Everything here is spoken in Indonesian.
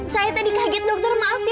saya tadi kaget dokter maaf ya